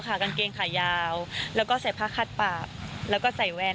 กางเกงขายาวแล้วก็ใส่ผ้าคัดปากแล้วก็ใส่แวน